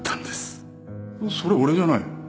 それ俺じゃない。